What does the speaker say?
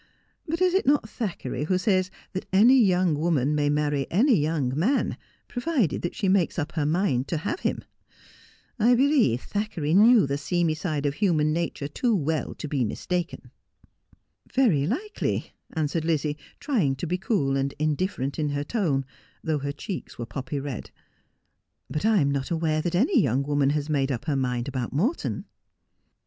But is it not Thackeray who says that any young woman may marry any young man, provided that she makes up her mind to have him ? T believe Thackeray knew the seamy side of human nature too well to be mistaken.' ' Very like ly,' answered Lizzie, trying to be cool and indiffer ent in her tone, though her cheeks were poppy red :' but I am not aware that any young woman has made up her mind about Morton.'